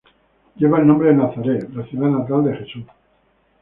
Lleva el nombre de Nazaret, la ciudad natal de Jesús.